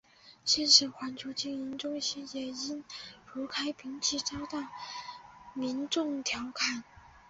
现时环球金融中心也因形如开瓶器而遭到民众调侃。